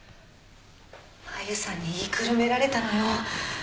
マユさんに言いくるめられたのよ